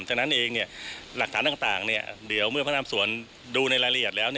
ฉะนั้นเองหลักฐานต่างเดี๋ยวเมื่อพนักสวนดูในรายละเอียดแล้ว